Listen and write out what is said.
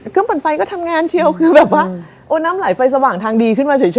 คือทีมงานเหรออะไรอย่างนี้